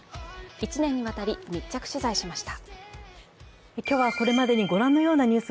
１年にわたり密着取材しました。